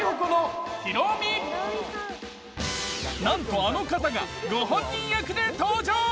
なんとあの方がご本人役で登場。